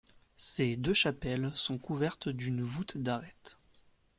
Ces deux chapelles sont couvertes d'une voûte d'arêtes.